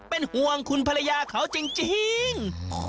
เป็นห่วงคุณภรรยาเขาจริง